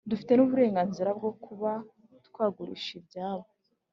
dufite nuburenganzira bwo kuba twagurisha ibyabo